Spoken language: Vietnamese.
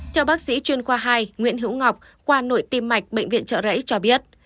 theo bác sĩ chuyên khoa hai nguyễn hữu ngọc qua nội tiêm mạch bệnh viện trợ rẫy cho biết